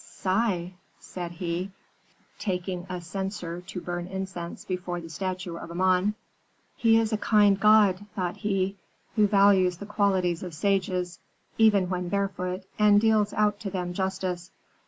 "'Sigh!' said he, taking a censer to burn incense before the statue of Amon. "'He is a kind god,' thought he, 'who values the qualities of sages, even when barefoot, and deals out to them justice.